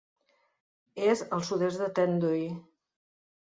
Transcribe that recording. És al sud-est de Tendrui.